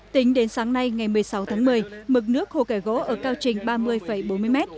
tính đến sáng nay ngày một mươi sáu tháng một mươi mực nước hồ kẻ gỗ ở cao trình ba mươi bốn mươi m